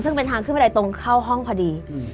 ซึ่งเป็นทางขึ้นบันไดตรงเข้าห้องพอดี